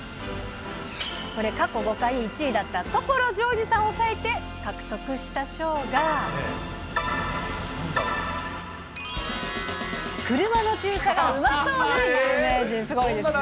これ、過去５回１位だった所ジョージさんを抑えて獲得した賞が、車の駐車がうまそうな有名人、すごいですね。